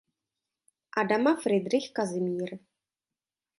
Adama Fridrich Kazimír.